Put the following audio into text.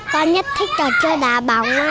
con nhất thích trò chơi đà bóng